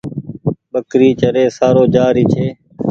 ٻڪري چري سارو جآ ري ڇي۔